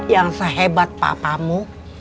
yang sehebat papamu